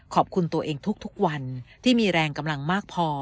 ขอบคุณตัวเองทุกวันที่มีแรงกำลังมากพอ